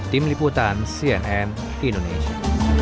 tim liputan cnn indonesia